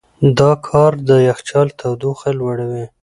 دا کار د یخچال تودوخه لوړوي.